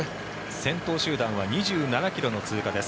先頭集団は２７ｋｍの通過です。